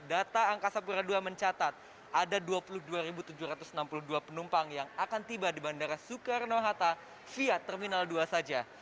data angkasa pura ii mencatat ada dua puluh dua tujuh ratus enam puluh dua penumpang yang akan tiba di bandara soekarno hatta via terminal dua saja